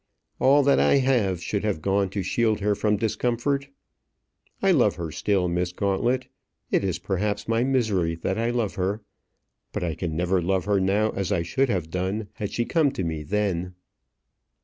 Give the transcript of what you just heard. All that I have should have gone to shield her from discomfort. I love her still, Miss Gauntlet; it is perhaps my misery that I love her. But I can never love her now as I should have done had she come to me then."